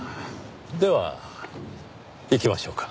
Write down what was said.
では行きましょうか。